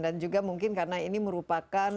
dan juga mungkin karena ini merupakan wujudnya